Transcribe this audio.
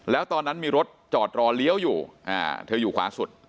แล้วตอนนั้นมีรถจอดรอเลี้ยวอยู่เธออยู่ขวาสุด